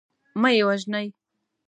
مه یې وژنی.